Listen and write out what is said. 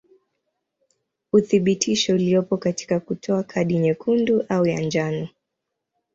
Uthibitisho uliopo katika kutoa kadi nyekundu au ya njano.